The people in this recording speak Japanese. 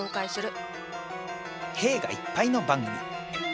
「へえ」がいっぱいの番組。